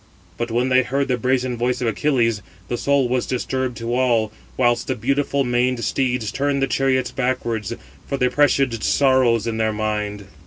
But when they heard the brazen voice of Achilles, the soul was disturbed to all, whilst the beautiful maned steeds turned the chariots backwards, for they presaged sorrows in their mind.